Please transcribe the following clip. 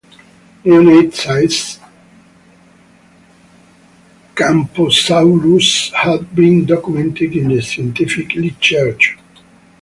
Neonate sized "Champsosaurus" have been documented in the scientific literature.